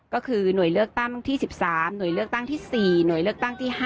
ก็คือหน่วยเลือกตั้งที่๑๓หน่วยเลือกตั้งที่๔หน่วยเลือกตั้งที่๕